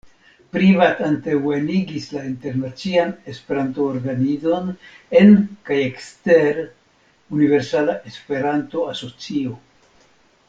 Privat antaŭenigis la internacian Esperanto-organizon en kaj ekster Universala Esperanto-Asocio.